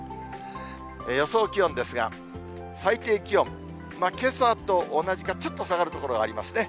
予想気温ですが、最低気温、けさと同じかちょっと下がる所がありますね。